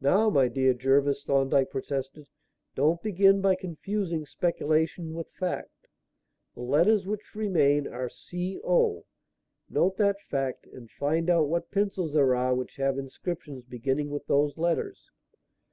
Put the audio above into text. "Now, my dear Jervis," Thorndyke protested, "don't begin by confusing speculation with fact. The letters which remain are C O. Note that fact and find out what pencils there are which have inscriptions beginning with those letters.